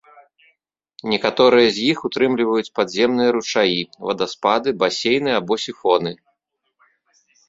Некаторыя з іх ўтрымліваюць падземныя ручаі, вадаспады, басейны або сіфоны.